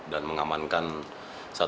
dan mengamankan satu orasinya